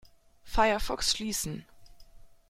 Firefox schließen.